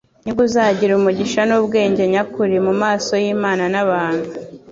Nibwo uzagira umugisha n'ubwenge nyakuri; mu maso y'Imana n'abantu'."